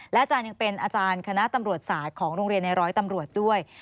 อาจารย์ยังเป็นอาจารย์คณะตำรวจศาสตร์ของโรงเรียนในร้อยตำรวจด้วย